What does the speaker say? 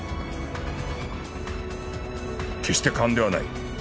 決してカンではない